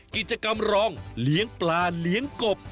กิจกรรมรองเลี้ยงปลาเลี้ยงกบ